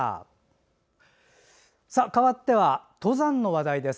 かわっては登山の話題です。